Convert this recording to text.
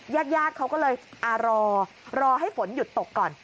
ญาติญาติเขาก็เลยรอรอให้ฝนหยุดตกก่อน